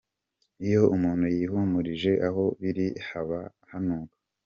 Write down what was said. Iyo umuntu yihumurije aho biri haba hanuka.